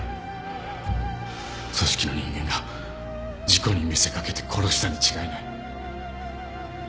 組織の人間が事故に見せ掛けて殺したに違いない